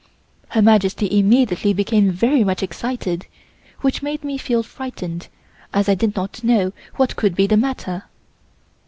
Her Majesty immediately became very much excited which made me feel frightened as I did not know what could be the matter.